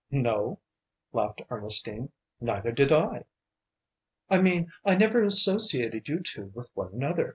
"No," laughed Ernestine, "neither did I." "I mean I never associated you two with one another.